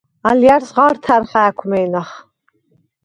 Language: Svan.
ალჲა̈რს ღართა̈რ ხაქვმე̄ნახ.